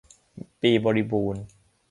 ปีบริบูรณ์